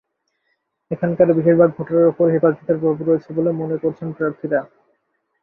এখানকার বেশির ভাগ ভোটারের ওপর হেফাজতের প্রভাব রয়েছে বলে মনে করছেন প্রার্থীরা।